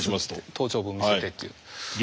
頭頂部見せてっていう。